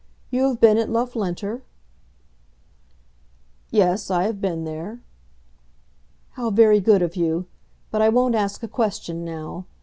You have been at Loughlinter?" "Yes, I have been there." "How very good of you; but I won't ask a question now.